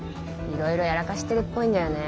いろいろやらかしてるっぽいんだよね。